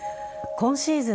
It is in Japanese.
今シーズン